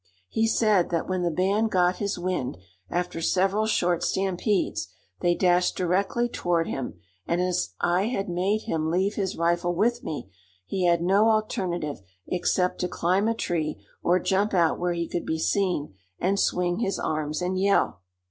He said that when the band got his wind, after several short stampedes, they dashed directly toward him, and as I had made him leave his rifle with me, he had no alternative except to climb a tree or jump out where he could be seen and swing his arms and yell.